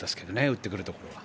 打ってくるところは。